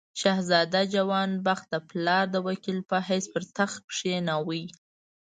شهزاده جوان بخت د پلار د وکیل په حیث پر تخت کښېناوه.